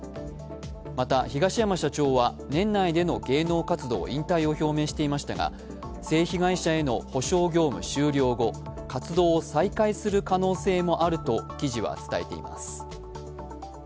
また、東山社長は年内での芸能活動引退を表明していましたが、性被害者への補償業務終了後活動を再開する可能性もあると記事は伝えています。